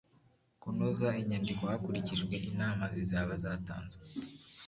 Kunoza inyandiko hakurikijwe inama zizaba zatanzwe